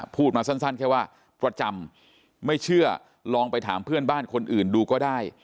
พูดมาสั้นแค่ว่าประจำไม่เชื่อลองไปถามเพื่อนบ้านคนอื่นดูก็ได้